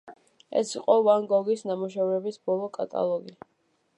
ეს იყო ვან გოგის ნამუშევრების ბოლო კატალოგი.